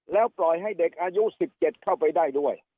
แล้วปล่อยให้เด็กอายุสิบเจ็ดเข้าไปได้